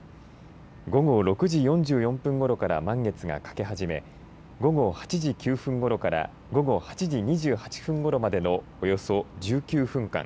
午後６時４４分ごろから満月が欠け始め午後８時９分ごろから午後８時２８分ごろまでのおよそ１９分間